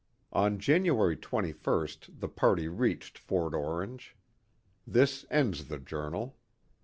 On January 21st the party reached Fort Orange. This ends the journal.